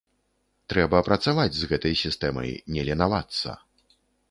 Трэба працаваць з гэтай сістэмай, не ленавацца.